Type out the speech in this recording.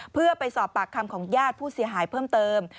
เพื่อไปสอบปากคำของญาติผู้เสียหายเพิ่มเติม